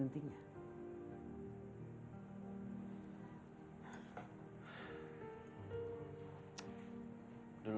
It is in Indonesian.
tapi przede larutnya dia malah bertugas